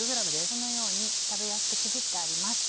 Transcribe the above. このように食べやすくちぎってあります。